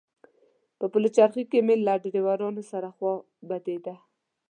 په پلچرخي کې مې له ډریورانو سره خوا بدېده.